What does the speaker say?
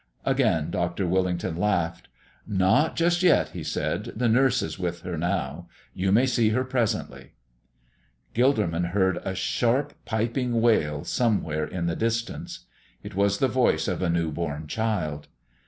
Again Dr. Willington laughed. "Not just yet," he said; "the nurse is with her now. You may see her presently." Gilderman heard a sharp, piping wail somewhere in the distance. It was the voice of a newborn child. Mrs.